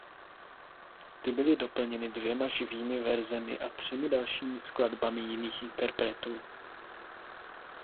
Ty byly doplněny dvěma živými verzemi a třemi dalšími skladbami jiných interpretů.